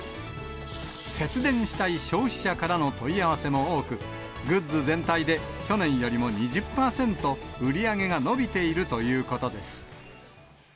節電したい消費者からの問い合わせも多く、グッズ全体で、去年よりも２０％、売り上げが伸びているということです。